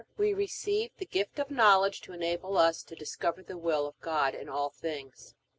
We receive the gift of Knowledge to enable us to discover the will of God in all things.